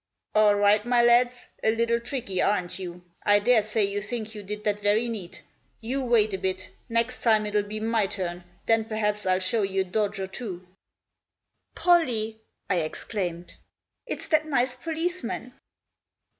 " All right, my lads ! A little tricky, aren't you ? I daresay you think you did that very neat. You wait a bit. Next time it'll be my turn, then perhaps I'll show you a dodge or two." " Pollie," I exclaimed, " it's that nice policeman